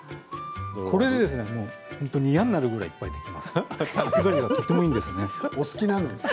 これ嫌になるぐらいいっぱいできます。